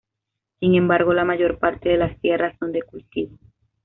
Sin embargo la mayor parte de las tierras son de cultivo.